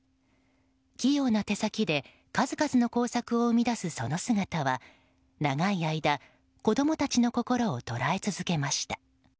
器用な手先で数々の工作を生み出すその姿は長い間子供たちの心を捉え続けました。